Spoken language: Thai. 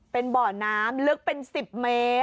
เป็นบ่อน้ำลึกเป็น๑๐เมตร